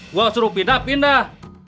gue suruh pindah pindah